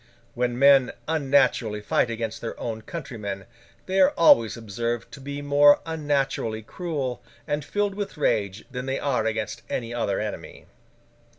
When men unnaturally fight against their own countrymen, they are always observed to be more unnaturally cruel and filled with rage than they are against any other enemy.